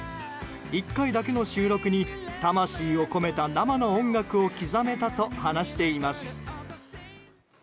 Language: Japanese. １回だけの収録に魂を込めた生の音楽を刻めたと話しています。